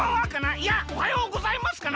いやおはようございますかな。